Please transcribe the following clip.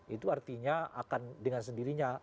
itu artinya akan dengan sendirinya